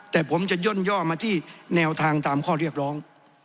แต่ผมจะย่นย่อมาที่แนวทางตามข้อเรียกร้อง